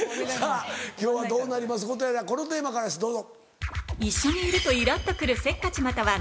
今日はどうなりますことやらこのテーマからですどうぞ。